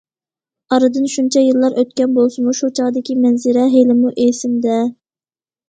ئارىدىن شۇنچە يىللار ئۆتكەن بولسىمۇ، شۇ چاغدىكى مەنزىرە ھېلىمۇ ئېسىمدە.